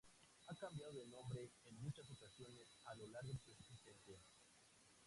Ha cambiado de nombre en muchas ocasiones a lo largo de su existencia.